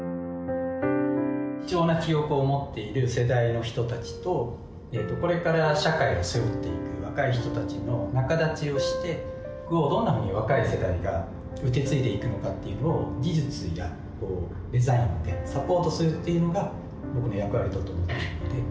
貴重な記憶を持っている世代の人たちとこれから社会を背負っていく若い人たちの仲立ちをしてどんなふうに若い世代が受け継いでいくのかっていうのを技術やデザインでサポートするっていうのが僕の役割だと思っているので。